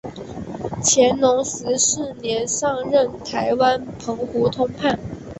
乾隆十四年上任台湾澎湖通判。